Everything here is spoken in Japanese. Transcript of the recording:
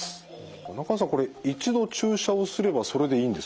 中川さんこれ一度注射をすればそれでいいんですか？